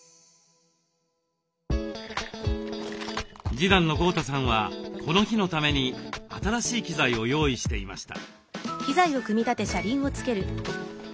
次男の豪太さんはこの日のために新しい機材を用意していました。